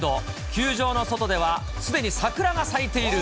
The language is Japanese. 球場の外ではすでに桜が咲いている。